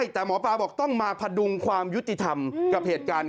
แต่หมอปลาบอกต้องมาพดุงความยุติธรรมกับเหตุการณ์